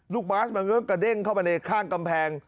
ลูกบาสมันกระเด้งเข้าไปในข้างกำแพง